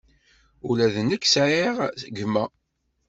Ula d nekk sɛiɣ gma.